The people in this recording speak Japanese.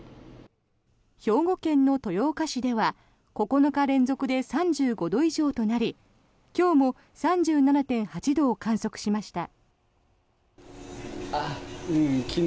兵庫県の豊岡市では９日連続で３５度以上となり今日も３７．８度を観測しました。